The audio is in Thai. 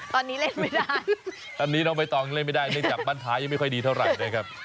ตอนนี้เล่นไม่ได้ตอนนี้เราไม่ต้องเล่นไม่ได้เล่นจากบ้านท้ายยังไม่ค่อยดีเท่าไหร่ด้วยครับ